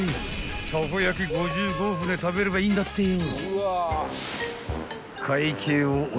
［たこ焼５５舟食べればいいんだってよ］や